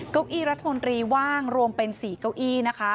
เก้าอี้รัฐมนตรีว่างรวมเป็น๔เก้าอี้นะคะ